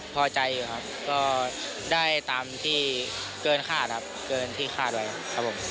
พอใจอยู่ครับก็ได้ตามที่เกินคาดครับเกินที่คาดไว้ครับผม